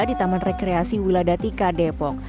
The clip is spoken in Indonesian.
di taman rekreasi wiladati k depok